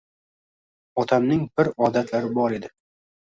Otamning bir odatlari bor edi